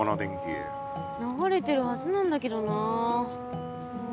流れてるはずなんだけどな。